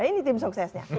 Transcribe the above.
ini tim suksesnya